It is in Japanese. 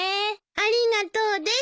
ありがとうです。